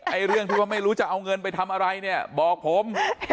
เรื่องที่ว่าไม่รู้จะเอาเงินไปทำอะไรเนี่ยบอกผม